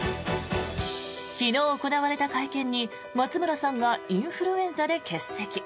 昨日行われた会見に、松村さんがインフルエンザで欠席。